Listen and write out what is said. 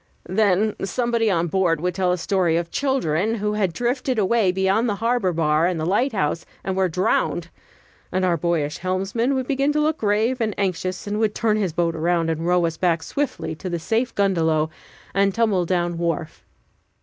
Then somebody on board would tell a story of children who had drifted away beyond the harbor bar and the light house, and were drowned; and our boyish helmsman would begin to look grave and anxious, and would turn his boat and row us back swiftly to the safe gundalow and tumbledown wharf.